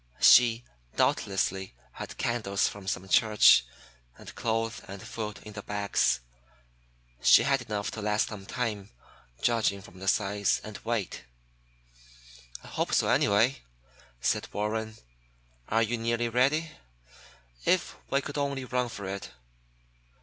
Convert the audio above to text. She doubtless had candles from some church, and clothes and food in the bags. She had enough to last some time, judging from the size and weight." "I hope so, anyway," said Warren. "Are you nearly ready? If we could only run for it!"